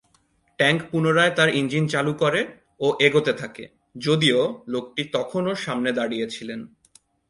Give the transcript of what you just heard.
Tank পুনরায় তার engine চালু করে ও এগোতে থাকে যদিও লোকটি তখনও সামনে দাড়িয়ে ছিলেন।